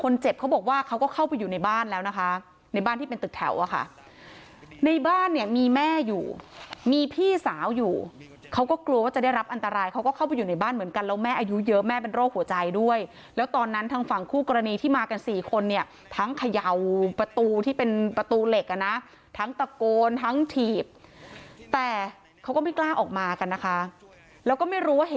เขาบอกว่าเขาก็เข้าไปอยู่ในบ้านแล้วนะคะในบ้านที่เป็นตึกแถวอะค่ะในบ้านเนี่ยมีแม่อยู่มีพี่สาวอยู่เขาก็กลัวว่าจะได้รับอันตรายเขาก็เข้าไปอยู่ในบ้านเหมือนกันแล้วแม่อายุเยอะแม่เป็นโรคหัวใจด้วยแล้วตอนนั้นทางฝั่งคู่กรณีที่มากันสี่คนเนี่ยทั้งเขย่าประตูที่เป็นประตูเหล็กอ่ะนะทั้งตะโกนทั้งถีบแต่เขาก็ไม่กล้าออกมากันนะคะแล้วก็ไม่รู้ว่าเห็น